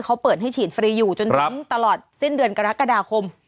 เขาเปิดให้ฉีดฟรีอยู่จนถึงตลอดสิ้นเดือนกรกฎาคม